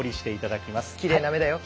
きれいな目だよ。